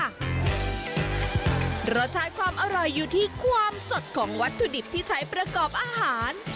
รสชาติความอร่อยอยู่ที่ความสดของวัตถุดิบที่ใช้ประกอบอาหาร